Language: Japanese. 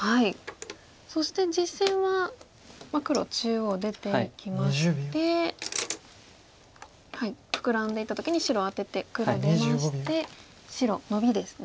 そして実戦は黒中央出ていきましてフクラんでいった時に白アテて黒出まして白ノビですね。